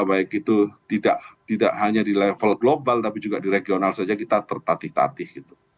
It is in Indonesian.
baik itu tidak hanya di level global tapi juga di regional saja kita tertatih tatih